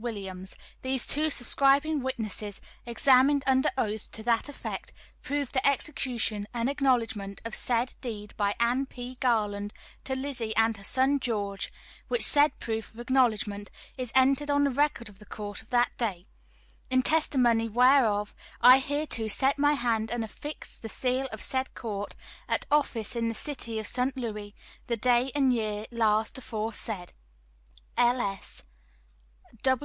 Williams, these two subscribing witnesses, examined under oath to that effect, proved the execution and acknowledgment of said deed by Anne P. Garland to Lizzie and her son George, which said proof of acknowledgment is entered on the record of the court of that day. "In testimony whereof I hereto set my hand and affix the seal of said court, at office in the City of St. Louis, the day and year last aforesaid. [L.